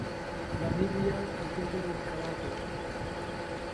Namibia competed in karate.